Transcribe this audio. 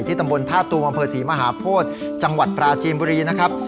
ที่ตำบลภาพตรวงบศรีมหาโพธิ์จังหวัดปราจีนบุรีนะครับ